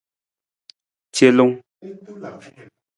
Celung.